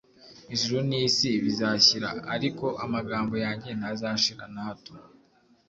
"Ijuru n'isi bizashyira, ariko amagambo yanjye ntazashira na hato."